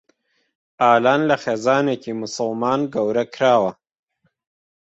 ئالان لە خێزانێکی موسڵمان گەورە کراوە.